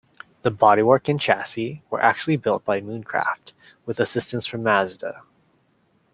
The bodywork and chassis were actually built by Mooncraft with assistance from Mazda.